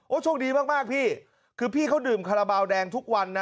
โชคดีมากพี่คือพี่เขาดื่มคาราบาลแดงทุกวันนะ